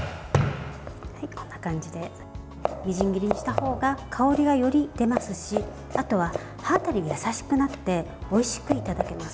こんな感じでみじん切りにした方が香りがより出ますしあとは歯当たりが優しくなっておいしくいただけます。